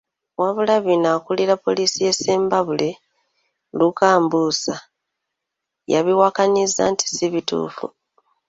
Wabula bino akulira poliisi y'e Ssembabule, Luka Mbusa, yabiwakanyizza nti si bituufu.